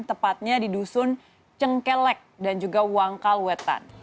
tepatnya di dusun cengkelek dan juga wangkal wetan